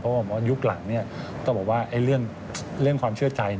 เพราะว่ายุคหลังต้องบอกว่าเรื่องความเชื่อใจ